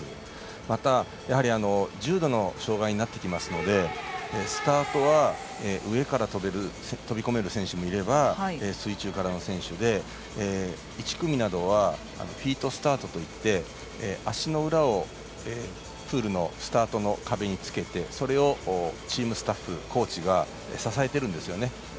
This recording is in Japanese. また、重度の障がいになってきますのでスタートは上から飛び込める選手もいれば水中からの選手もいて１組などはフィートスタートといって足の裏をプールのスタートの壁につけてそれをチームスタッフコーチが支えているんですよね。